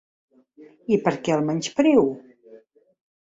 I per què el menyspreo?